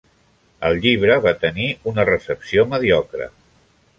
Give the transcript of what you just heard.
El llibre va tenir una recepció mediocre.